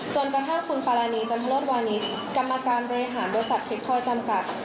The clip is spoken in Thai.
จนกระทั่งคุณปารานีจันทรศวานิสกรรมการบริหารบริษัทเทคโทจำกัด